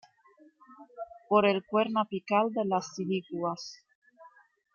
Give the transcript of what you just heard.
Por el cuerno apical de las silicuas.